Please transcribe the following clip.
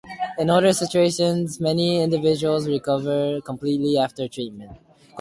In other situations, many individuals recover completely after treatment.